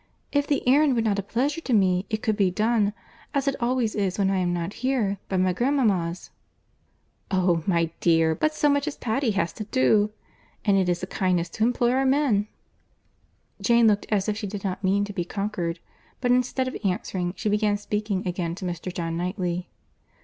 If the errand were not a pleasure to me, it could be done, as it always is when I am not here, by my grandmama's." "Oh! my dear; but so much as Patty has to do!—And it is a kindness to employ our men." Jane looked as if she did not mean to be conquered; but instead of answering, she began speaking again to Mr. John Knightley.